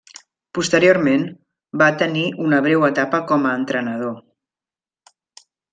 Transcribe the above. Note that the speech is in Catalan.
Posteriorment, va tenir una breu etapa com a entrenador.